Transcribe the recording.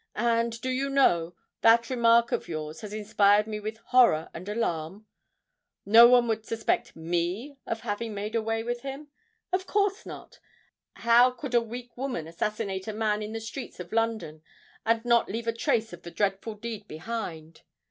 "And, do you know, that remark of your's has inspired me with horror and alarm? No one would suspect me of having made away with him! Of course not:—how could a weak woman assassinate a man in the streets of London, and not leave a trace of the dreadful deed behind?